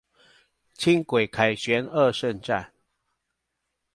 輕軌凱旋二聖站